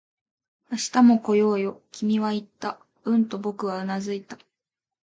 「明日も来ようよ」、君は言った。うんと僕はうなずいた